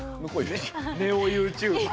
ネオＹｏｕＴｕｂｅｒ。